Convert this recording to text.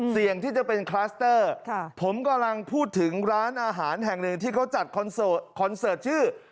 เสี่ยงที่จะเป็นคลัสเตอร์ผมกำลังพูดถึงร้านอาหารแห่งหนึ่งที่เขาจัดคอนเสิร์ตคอนเสิร์ตชื่อ